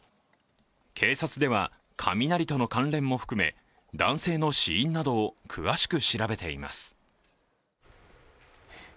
警察では雷との関連も含め男性の死因などを詳しく調べています。